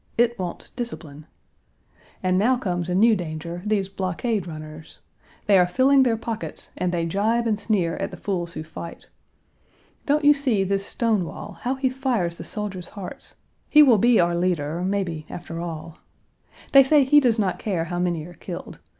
It wants discipline. And now comes a new danger, these blockade runners. They are filling their pockets and they gibe and sneer at the fools who fight. Don't you see this Stonewall, how he fires the soldiers' hearts; he will be our leader, maybe after all. They say he does not care how many are killed.